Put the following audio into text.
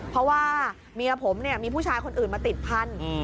เพราะว่าเมียผมเนี่ยมีผู้ชายคนอื่นมาติดพันธุ์